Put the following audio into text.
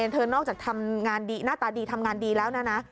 เธอนอกจากทำงานดีหน้าตาดีทำงานดีแล้วนะ